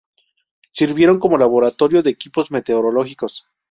Sirvieron como laboratorio de equipos meteorológicos.